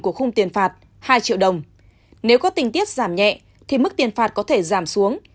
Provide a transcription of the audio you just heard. của khung tiền phạt hai triệu đồng nếu có tình tiết giảm nhẹ thì mức tiền phạt có thể giảm xuống